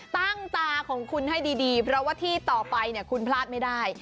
ตาของคุณให้ดีเพราะว่าที่ต่อไปเนี่ยคุณพลาดไม่ได้